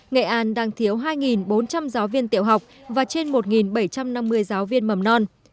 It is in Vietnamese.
nghệ an đang thiếu hai bốn trăm linh giáo viên tiểu học và trên một bảy trăm năm mươi giáo viên mầm non